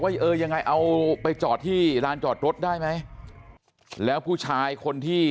เออยังไงเอาไปจอดที่ลานจอดรถได้ไหมแล้วผู้ชายคนที่